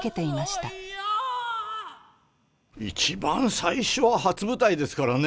一番最初は初舞台ですからね。